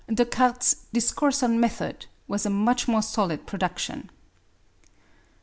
Descartes's Discourse on Method was a much more solid production.